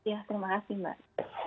ya terima kasih mbak